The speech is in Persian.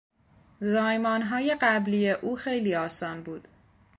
زایمانهای قبلی او خیلی آسان بود.